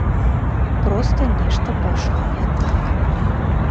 Проста нешта пайшло не так.